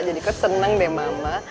jadi kok seneng deh mama